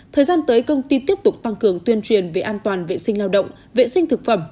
thời gian tới công ty tiếp tục tăng cường tuyên truyền về an toàn vệ sinh lao động vệ sinh thực phẩm